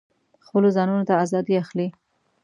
خپلو ځانونو ته آزادي اخلي.